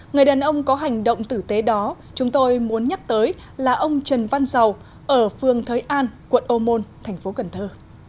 người đàn ông có hành động tử tế đó chúng tôi muốn nhắc tới là ông trần văn dầu ở phương thới an quận ô môn thành phố cần thơ